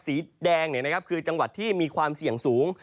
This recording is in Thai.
สีแดงคือจังหวัดที่มีความเสี่ยงสูง